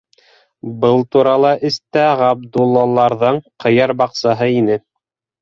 Был турала эстә Ғабдуллаларҙың ҡыяр баҡсаһы ине.